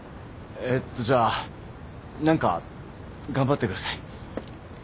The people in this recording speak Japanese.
えっとじゃあ何か頑張ってください。